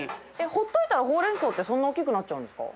曚辰箸い燭ホウレン草ってそんな大きくなっちゃうんですか？